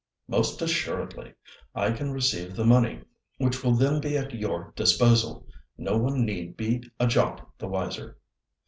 "Most assuredly, I can receive the money, which will then be at your disposal. No one need be a jot the wiser."